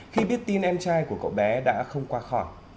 khi biết tin em trai của cậu bé đã không qua khỏi